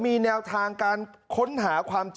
มึงอยากให้ผู้ห่างติดคุกหรอ